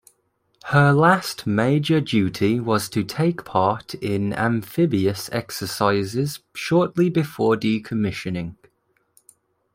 Her last major duty was to take part in amphibious exercises shortly before decommissioning.